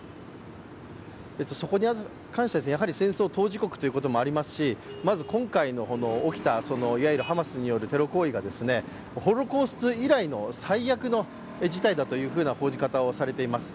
そこに関しては戦争当事国ということもありますし、まず今回起きたハマスによるテロ行為がホロコースト以来の最悪の事態だという報じ方がされています。